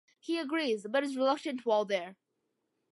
He agrees, but is reluctant while there.